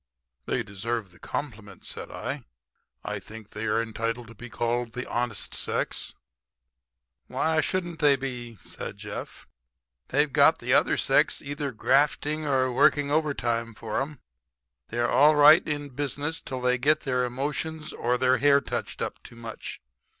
"They deserve the compliment," said I. "I think they are entitled to be called the honest sex." "Why shouldn't they be?" said Jeff. "They've got the other sex either grafting or working overtime for 'em. They're all right in business until they get their emotions or their hair touched up too much.